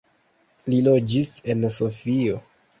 Li loĝis en Sofio.